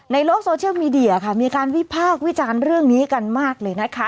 ในโลกโซเชียลมีเดียค่ะมีการวิพากษ์วิจารณ์เรื่องนี้กันมากเลยนะคะ